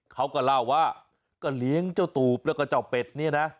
เขาก็เล่าว่าก็เลี้ยงเจ้าตูบแล้วก็เจ้าเป็ดเนี่ยนะ